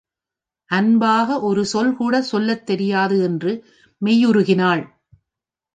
அன்பாக ஒரு சொல்கூடச் சொல்லத் தெரியாது! என்று மெய்யுருகினாள்.